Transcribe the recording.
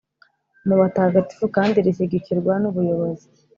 mu batagatifu kandi rishyigikirwa n’ubuyobozi